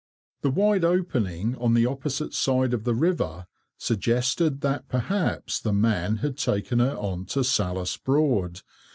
The wide opening on the opposite side of the river suggested that perhaps the man had taken her on to Salhouse Broad.